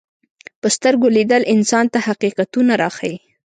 په سترګو لیدل انسان ته حقیقتونه راښيي